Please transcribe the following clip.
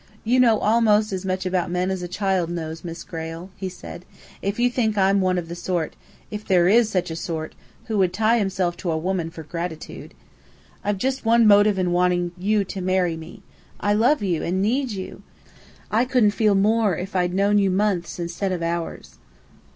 "You know almost as much about men as a child knows, Miss Grayle," he said, "if you think I'm one of the sort if there is such a sort who would tie himself to a woman for gratitude. I've just one motive in wanting you to marry me. I love you and need you. I couldn't feel more if I'd known you months instead of hours."